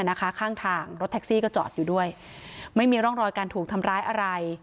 นะคะข้างทางรถแท็กซี่ก็จอดอยู่ด้วยไม่มีร่องรอยการถูกทำร้ายอะไร